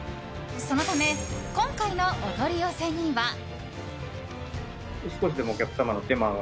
そのため今回のお取り寄せには。